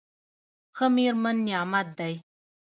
ښه مېرمن نعمت دی.